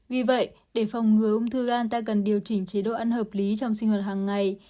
vì vậy để phòng ngừa ung thư gan ta cần điều chỉnh chế độ ăn hợp lý trong sinh hoạt hàng ngày